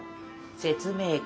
説明会。